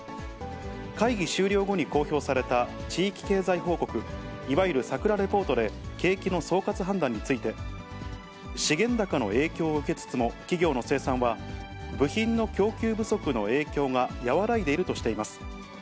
会議終了後に報告された地域経済報告、いわゆるさくらレポートで景気の総括判断について、資源高の影響を受けつつも、企業の生産は、部品の供給不足の影響が和らいでいるとしています。